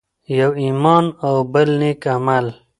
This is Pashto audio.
يو ایمان او بل نیک عمل.